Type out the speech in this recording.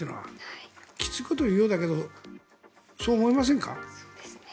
きついことを言うようだけどそう思いませんか？